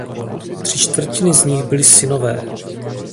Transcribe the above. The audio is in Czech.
Tři čtvrtiny z nich byli synové.